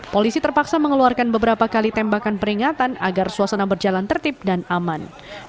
polisi terpaksa mengeluarkan beberapa kali tembakan peringatan agar suasana berjalan tertib dan aman